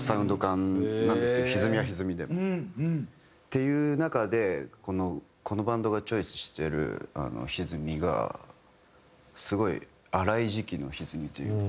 いう中でこのバンドがチョイスしてる歪みがすごい粗い時期の歪みというか。